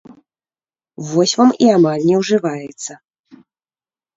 Вось вам, і амаль не ўжываецца.